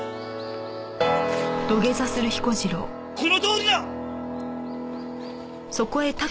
このとおりだ！